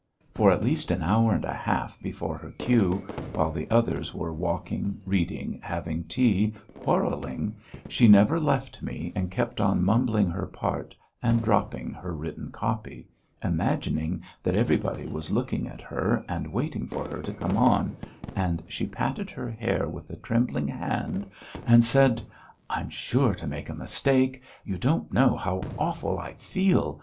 For at least an hour and a half before her cue, while the others were walking, reading, having tea, quarrelling, she never left me and kept on mumbling her part, and dropping her written copy, imagining that everybody was looking at her, and waiting for her to come on, and she patted her hair with a trembling hand and said: "I'm sure to make a mistake.... You don't know how awful I feel!